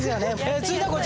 続いてはこちらね